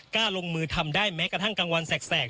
กล้าลงมือทำได้แม้กระทั่งกลางวันแสก